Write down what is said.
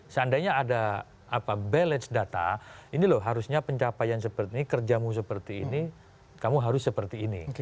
seandainya ada balance data ini loh harusnya pencapaian seperti ini kerjamu seperti ini kamu harus seperti ini